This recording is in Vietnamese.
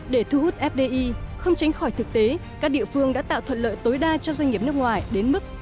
để thu hút fdi không tránh khỏi thực tế các địa phương đã tạo thuận lợi tối đa cho doanh nghiệp nước ngoài đến mức